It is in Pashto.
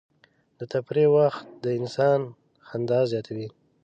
د تفریح وخت د انسان خندا زیاتوي.